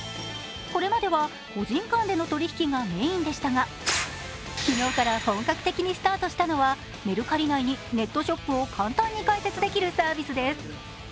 これまでは個人間での取引がメインでしたが昨日から本格的にスタートしたのは、メルカリ内にネットショップを簡単に開設できるサービスです。